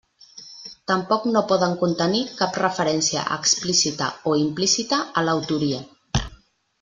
Tampoc no poden contenir cap referència explícita o implícita a l'autoria.